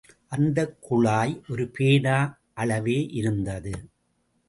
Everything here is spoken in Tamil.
அந்தக் குழாய் ஒரு பேனா அளவே இருந்தது.